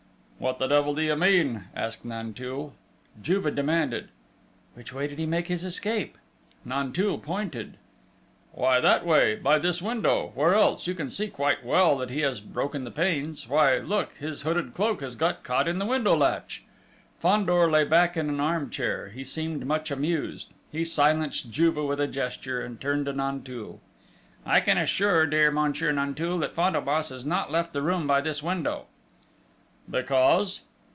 "What the devil do you mean?" asked Nanteuil. Juve demanded. "Which way did he make his escape?" Nanteuil pointed. "Why that way! By this window ... where else?... You can see quite well that he has broken the panes!... Why, look! His hooded cloak has got caught on the window latch!..." Fandor lay back in an arm chair. He seemed much amused. He silenced Juve with a gesture, and turned to Nanteuil. "I can assure, dear Monsieur Nanteuil, that Fantômas has not left the room by this window!..." "Because?..."